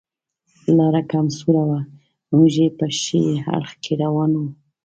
لاره کم سوره وه، موږ یې په ښي اړخ کې روان و.